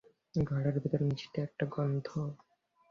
ঘরের ভেতর মিষ্টি একটা গন্ধ।